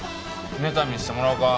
ネタ見してもらおうか。